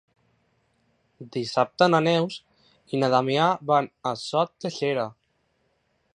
Dissabte na Neus i na Damià van a Sot de Xera.